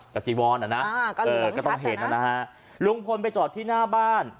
แต่จีวอนอ่ะนะก็ต้องเห็นนะฮะลุงพลไปจอดที่หน้าบ้าน